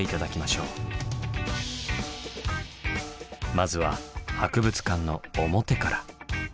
まずは博物館の表から。